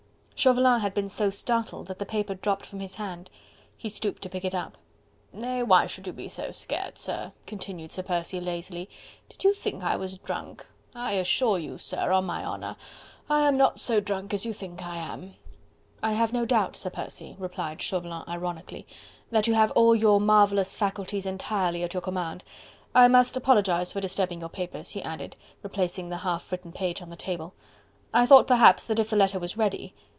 Chauvelin had been so startled that the paper dropped from his hand. He stooped to pick it up. "Nay! why should you be so scared, sir?" continued Sir Percy lazily, "did you think I was drunk?... I assure you, sir, on my honour, I am not so drunk as you think I am." "I have no doubt, Sir Percy," replied Chauvelin ironically, "that you have all your marvellous faculties entirely at your command.... I must apologize for disturbing your papers," he added, replacing the half written page on the table, "I thought perhaps that if the letter was ready